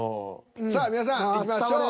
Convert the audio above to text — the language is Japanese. さあ皆さんいきましょう。